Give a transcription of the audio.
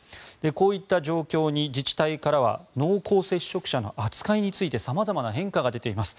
こういった状況に自治体からは濃厚接触者の扱いについて様々な変化が出ています。